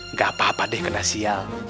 nggak apa apa deh kena sial